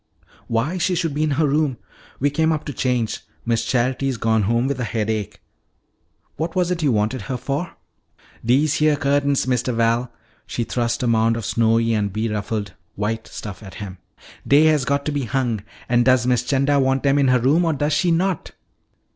"Why, she should be in her room. We came up to change. Miss Charity's gone home with a headache. What was it you wanted her for?" "Dese heah cu'ta'ns, Mistuh Val" she thrust a mound of snowy and beruffled white stuff at him "dey has got to be hung. An' does Miss 'Chanda wan' dem in her room or does she not?"